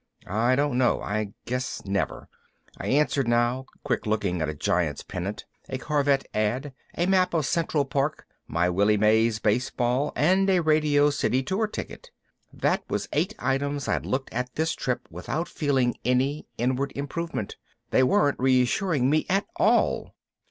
I don't know, I guess never, I answered now, quick looking at a Giants pennant, a Korvette ad, a map of Central Park, my Willie Mays baseball and a Radio City tour ticket. That was eight items I'd looked at this trip without feeling any inward improvement. They weren't reassuring me at all.